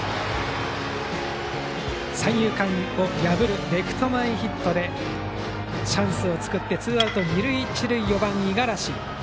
三遊間を破るレフト前ヒットでチャンスを作ってツーアウト、二塁一塁で４番の五十嵐。